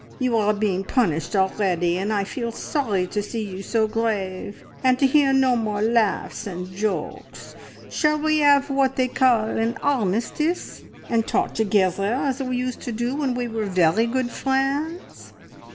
You are being punished already, and I feel sorry to see you so grave and to hear no more laughs and jokes. Shall we 'ave what they call an armistice, and talk together as we used to do when we were very good friends?"